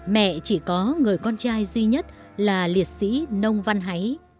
mẹ chỉ có người con trai duy nhất là liệt sĩ nông văn háy